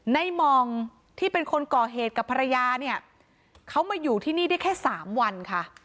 ในมองที่เป็นคนก่อเหตุกับภรรยาเนี่ยเขามาอยู่ที่นี่ได้แค่สามวันค่ะ